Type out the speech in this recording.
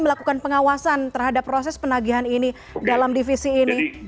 apa proses penagihan ini dalam divisi ini